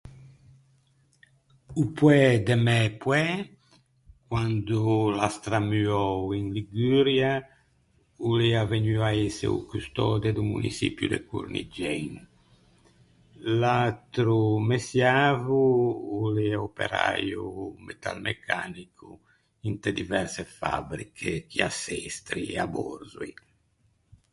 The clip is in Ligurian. O poæ de mæ poæ, quand’o l’à stramuou in Liguria, o l’ea vegnuo à ëse o custöde do muniçipio de Corniggen. L’atro messiavo o l’ea operäio metalmecanico inte diverse fabriche, chì à Sestri e à Bòrzoi.